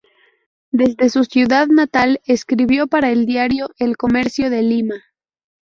Desde su ciudad natal escribió para el diario "El Comercio" de Lima.